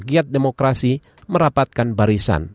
agar rakyat demokrasi merapatkan barisan